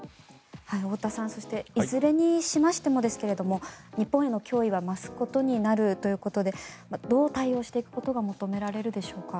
太田さんいずれにしましても日本への脅威は増すことになるということでどう対応していくことが求められるでしょうか。